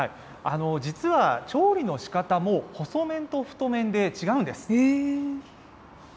実は調理のしかたも、細麺と太麺で違うんです。